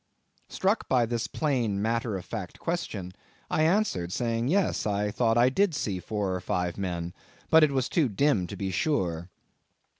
Struck by this plain matter of fact question, I answered, saying, "Yes, I thought I did see four or five men; but it was too dim to be sure."